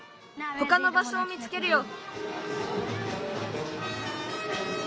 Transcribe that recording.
ほかのばしょを見つけるよ。